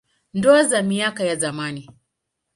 Ndoa za miaka ya zamani.